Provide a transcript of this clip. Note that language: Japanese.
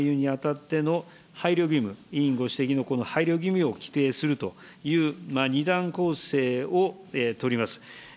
そしてさらに、寄付の勧誘にあたっての配慮義務、委員ご指摘のこの配慮義務を規定するという、２段構成を取ります。